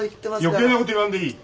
余計なこと言わんでいい！